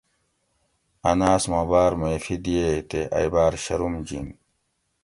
اۤن آۤس ما باۤر معافی دئیئے تے ائی باۤر شرم جِین